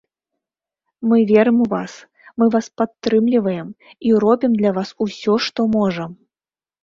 Мы верым у вас, мы вас падтрымліваем і робім для вас усё, што можам.